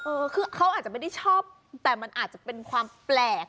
เออคือเขาอาจจะไม่ได้ชอบแต่มันอาจจะเป็นความแปลก